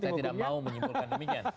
kita tidak mau menyimpulkan demikian